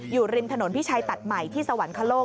อยู่ริมถนนพิชัยตัดใหม่ที่สวรรคโลก